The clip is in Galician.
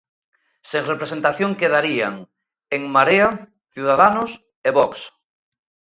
Sen representación quedarían: En Marea, Ciudadanos e Vox.